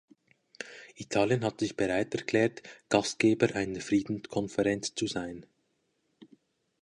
Italien hat sich bereit erklärt, Gastgeber einer Friedenskonferenz zu sein.